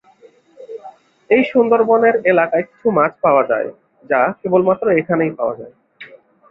এই সুন্দরবনের এলাকায় কিছু মাছ পাওয়া যায়, যা’ কেবলমাত্র এখানেই পাওয়া যায়।